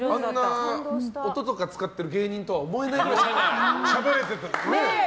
あんな音とか使っている芸人とは思えないくらいしゃべれてた。